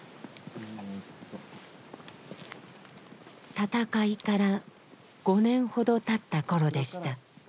闘いから５年ほどたった頃でした。